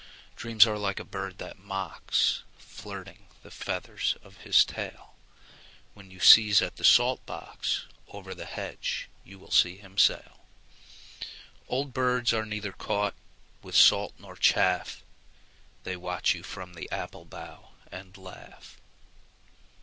Dreams are like a bird that mocks, Flirting the feathers of his tail. When you sieze at the salt box, Over the hedge you'll see him sail. Old birds are neither caught with salt nor chaff: They watch you from the apple bough and laugh.